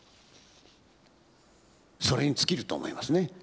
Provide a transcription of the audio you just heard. それに尽きると思いますね。